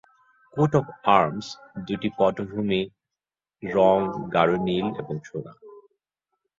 Coat of arms দুটি পটভূমি রঙ, গাঢ় নীল এবং সোনা।